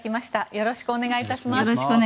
よろしくお願いします。